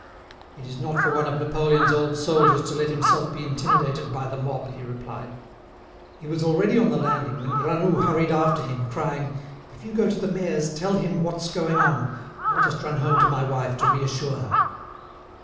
"It is not for one of Napoleon's old soldiers to let himself be intimidated by the mob," he replied. He was already on the landing, when Granoux hurried after him, crying: "If you go to the mayor's tell him what's going on. I'll just run home to my wife to reassure her."